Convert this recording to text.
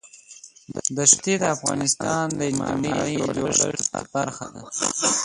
دښتې د افغانستان د اجتماعي جوړښت برخه ده.